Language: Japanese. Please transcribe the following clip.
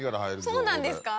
そうなんですか？